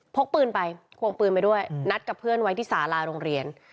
พกปืนไปควงปืนไปด้วยนัดกับเพื่อนไว้ที่สาลาโรงเรียน